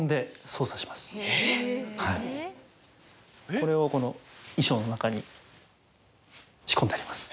これを衣装の中に仕込んであります。